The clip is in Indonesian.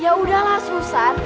ya udahlah susan